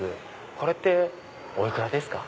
これってお幾らですか？